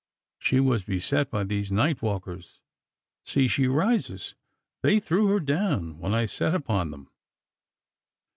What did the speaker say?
She was beset by these night walkers. See, she rises! They threw her down when I set upon them.